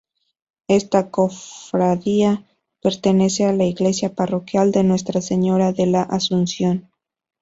Esta Cofradía pertenece a la Iglesia Parroquial de Nuestra Señora de la Asunción.